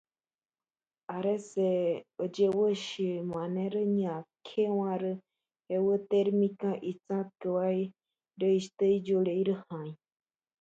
Tales números corresponden a los "segmentos" que se pueden construir con regla y compás.